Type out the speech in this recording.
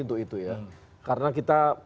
untuk itu ya karena kita